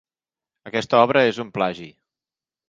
Aquesta obra és un plagi.